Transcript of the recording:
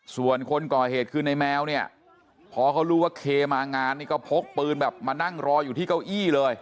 ส่วนคนก่อเหตุคือในแมวเนี่ยพอเขารู้ว่าเคมางานนี่ก็พกปืนแบบมานั่งรออยู่ที่เก้าอี้เลย